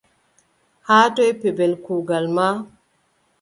Haa toy pellel kuugal ma ?